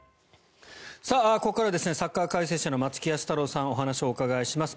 ここからはサッカー解説者の松木安太郎さんにお話をお伺いします。